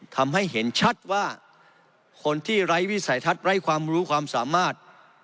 ทำให้เห็นชัดว่าคนที่ไร้วิสัยทัศน์ไร้ความรู้ความสามารถ